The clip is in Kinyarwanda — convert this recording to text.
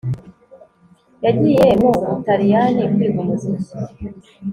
yagiye mu butaliyani kwiga umuziki